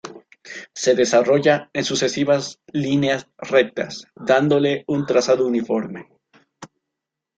Se desarrolla en sucesivas líneas rectas, dándole un trazado uniforme.